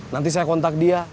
nanti saya kontak dia